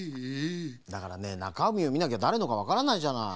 だからねなかみをみなきゃだれのかわからないじゃない。